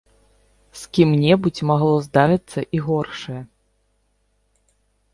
З кім-небудзь магло здарыцца і горшае.